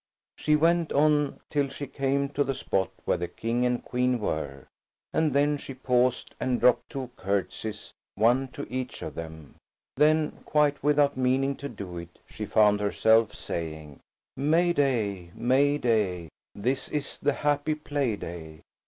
She went on till she came to the spot where the King and Queen were, and then she paused and dropped two curtsies, one to each of them. Then, quite without meaning to do it, she found herself saying– "May day! May day! This is the happy play day!